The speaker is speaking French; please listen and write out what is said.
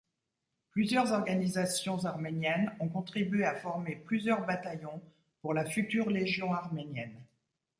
Plusieurs organisations arméniennes ont contribué à former plusieurs bataillons pour la future Légion arménienne.